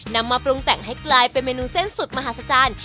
นำมาปรุงแต่งให้กลายเป็นเมนูเส้นสุดมหาศจรรย์